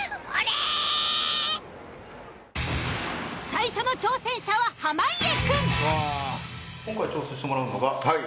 最初の挑戦者は濱家くん。